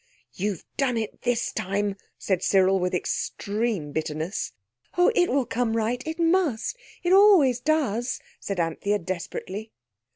"You've done it this time," said Cyril with extreme bitterness. "Oh, it will come right. It must. It always does," said Anthea desperately.